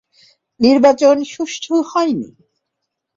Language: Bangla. নির্বাচন সুষ্ঠু হয়নি।